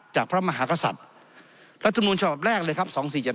จากพระมหากษัตริย์รัฐธรรมนุนชอบแรกเลยครับ๒๔๗๕